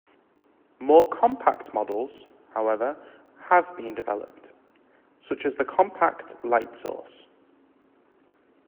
More compact models, however, have been developed, such as the Compact Light Source.